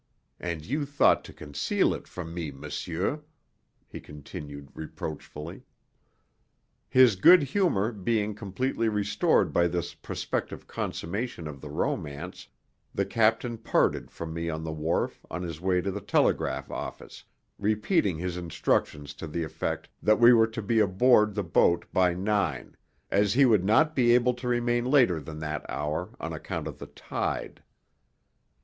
And you thought to conceal it from me, monsieur!" he continued reproachfully. His good humour being completely restored by this prospective consummation of the romance, the captain parted from me on the wharf on his way to the telegraph office, repeating his instructions to the effect that we were to be aboard the boat by nine, as he would not be able to remain later than that hour on account of the tide.